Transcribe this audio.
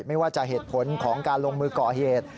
ไม่ว่าจะเหตุผลของการลงมือก่อเหตุ